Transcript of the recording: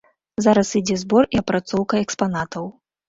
Зараз ідзе збор і апрацоўка экспанатаў.